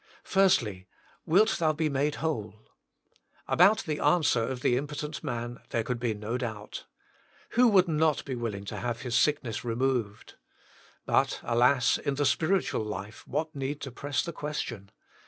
1. Wilt thou be made whole ? About the answer of the impotent man there could be no doubt. Who would not be willing to have his sickness removed ? But, alas, in the spiritual life what need to press the question.